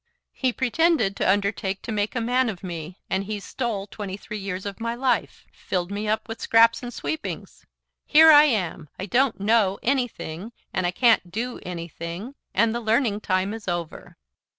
He pretended to undertake to make a man of me, and be's stole twenty three years of my life, filled me up with scraps and sweepings. Here I am! I don't KNOW anything, and I can't DO anything, and all the learning time is over."